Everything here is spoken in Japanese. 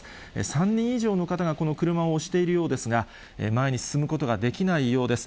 ３人以上の方がこの車を押しているようですが、前に進むことができないようです。